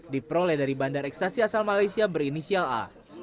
diperoleh dari bandar ekstasi asal malaysia berinisial a